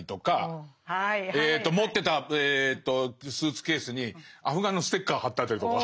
持ってたスーツケースにアフガンのステッカー貼ってあったりとか。